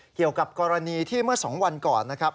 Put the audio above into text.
เกี่ยวกับกรณีที่เมื่อ๒วันก่อนนะครับ